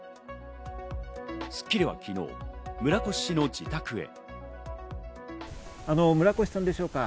『スッキリ』は昨日、村越氏の自宅へ。